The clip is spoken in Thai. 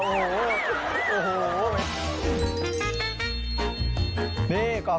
นี่กองผ้าเก่า